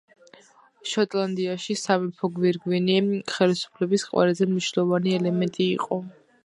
შოტლანდიაში სამეფო გვირგვინი, ხელისუფლების ყველაზე მნიშვნელოვანი ელემენტი იყო.